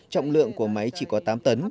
trọng lượng của máy chỉ có tám tấn